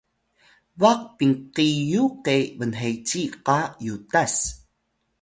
baq pinqiyu ke bnheci qa yutas